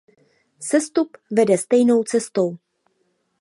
Sestup vede stejnou cestou.